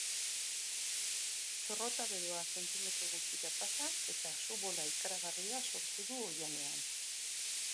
Txorrota beroa zentimetro gutxira pasa, eta su-bola ikaragarria sortu du oihanean.